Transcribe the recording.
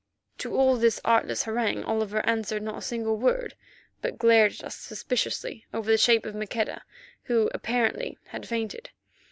To all this artless harangue Oliver answered not a single word, but glared at us suspiciously over the shape of Maqueda, who apparently had fainted.